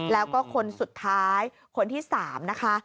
แล้วก็คนสุดท้ายคนที่๓นะคะ